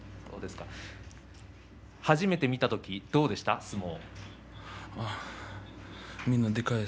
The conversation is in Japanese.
初めて見た時はどうでしたか相撲は。